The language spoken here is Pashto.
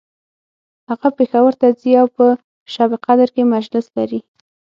هغه پیښور ته ځي او په شبقدر کی مجلس لري